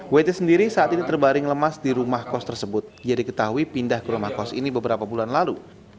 wt sendiri saat ini terbaring lemas di rumah kos tersebut dia diketahui pindah ke rumah kos ini beberapa bulan lalu